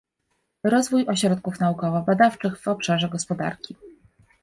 rozwój ośrodków naukowo-badawczych w obszarze gospodarki